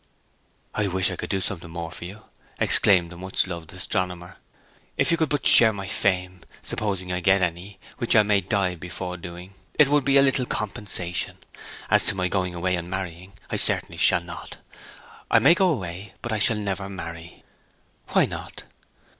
'I wish I could do something more for you!' exclaimed the much moved astronomer. 'If you could but share my fame, supposing I get any, which I may die before doing, it would be a little compensation. As to my going away and marrying, I certainly shall not. I may go away, but I shall never marry.' 'Why not?'